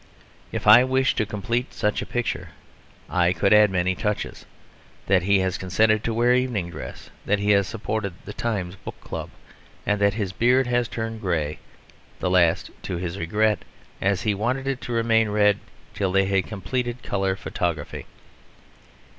If I wished to complete such a picture I could add many touches: that he has consented to wear evening dress; that he has supported the Times Book Club; and that his beard has turned grey; the last to his regret, as he wanted it to remain red till they had completed colour photography.